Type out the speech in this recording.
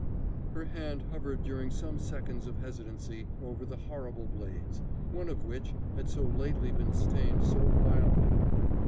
Her hand hovered during some seconds of hesitancy over the horrible blades, one of which had so lately been stained so vilely.